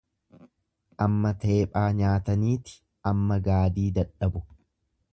Amma teephaa nyaataniiti amma gaadii dadhabu.